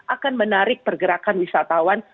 akan menarik pergerakan wisatawan